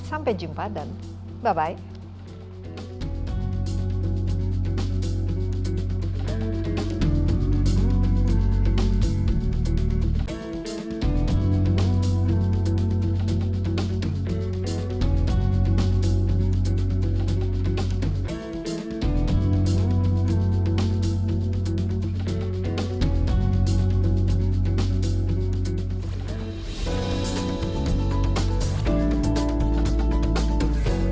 sampai jumpa dan bye bye